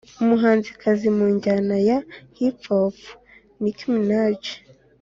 umuhanzikazi mu njyana ya “hip hop” nicki minaj